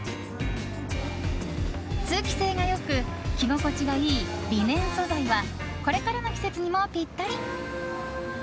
通気性が良く着心地がいいリネン素材はこれからの季節にもぴったり。